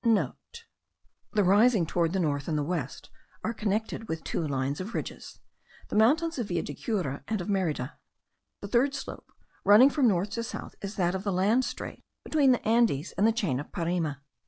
(* The risings towards the north and west are connected with two lines of ridges, the mountains of Villa de Cura and of Merida. The third slope, running from north to south, is that of the land strait between the Andes and the chain of Parime.